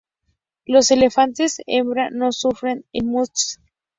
Los elefantes hembra no sufren el must.